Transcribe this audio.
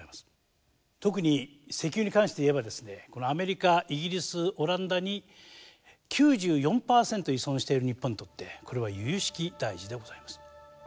特に石油に関して言えばアメリカイギリスオランダに９４％依存している日本にとってこれはゆゆしき大事でございます。